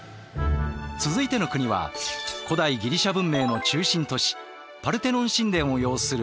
続いての国は古代ギリシャ文明の中心都市パルテノン神殿を擁するアテネ。